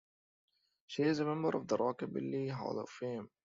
She is a member of the Rockabilly Hall of Fame.